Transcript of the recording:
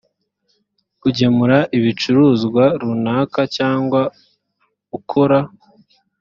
k ugemura ibicuruzwa runaka cyangwa ukora